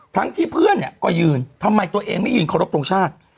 ทั้งที่เพื่อนเนี่ยก็ยืนทำไมตัวเองไม่ยืนเคารพทรงชาติ